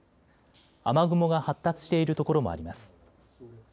雨雲が発達しているところもあります。